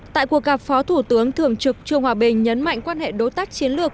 tại cuộc gặp phó thủ tướng thường trực trương hòa bình nhấn mạnh quan hệ đối tác chiến lược